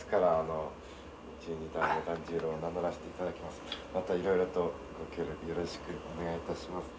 またいろいろとご協力よろしくお願いいたします。